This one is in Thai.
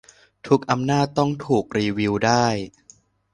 ทุกอำนาจต้องถูกรีวิวได้